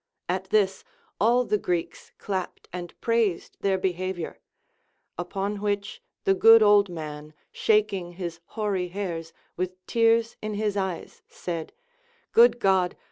At this, all the Greeks clapped and praised their 438 . LACONIC APOPHTHEGMS. behavior ; upon which the good old man shaking his hoary hairs, with tears in his eyes, said : Good God